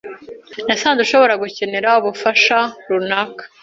Nasanze ushobora gukenera ubufasha runaka.